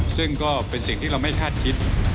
ซึ่งก็เป็นสิ่งที่เราไม่คาดคิด